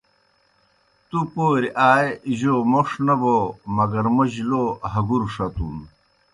تُوْ پوریْ آ جوْ موْݜ نہ بو مگر موجیْ لو ہگُروْ ݜتُن۔